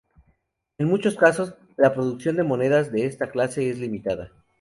En muchos casos, la producción de monedas de esta clase es limitada.